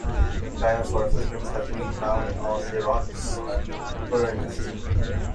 Dinosaur footprints have been found on the rocks at Burniston.